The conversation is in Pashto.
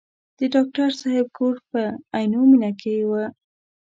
د ډاکټر صاحب کور په عینومېنه کې و.